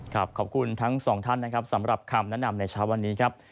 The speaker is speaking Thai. ขอบคุณทั้งสองท่านนะครับสำหรับคำแนะนำในเช้าวันนี้ครับ